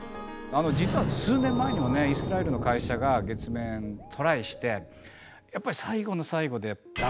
実は数年前にもねイスラエルの会社が月面にトライしてやっぱり最後の最後で駄目だったんですよね。